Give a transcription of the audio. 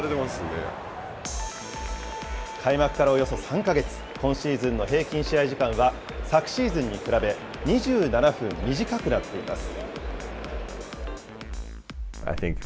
開幕からおよそ３か月、今シーズンの平均試合時間は、昨シーズンに比べ、２７分短くなっています。